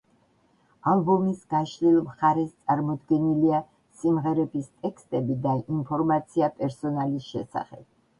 ალბომის გაშლილ მხარეს წარმოდგენილია სიმღერების ტექსტები და ინფორმაცია პერსონალის შესახებ.